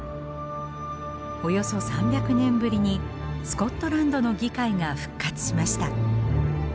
およそ３００年ぶりにスコットランドの議会が復活しました。